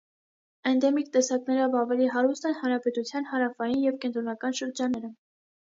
Էնդեմիկ տեսակներով ավելի հարուստ են հանրապետության հարավային և կենտրոնական շրջանները։